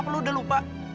apa lo udah lupa